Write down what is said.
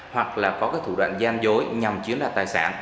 hoặc là có cái thủ đoạn gian dối nhằm chiếm đoạt tài sản